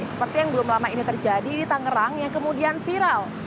seperti yang belum lama ini terjadi di tangerang yang kemudian viral